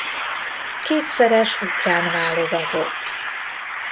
Kétszeres ukrán válogatott.